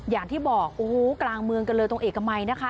อย่างที่บอกโอ้โหกลางเมืองกันเลยตรงเอกมัยนะคะ